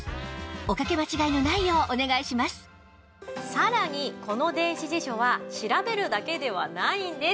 さらにこの電子辞書は調べるだけではないんです。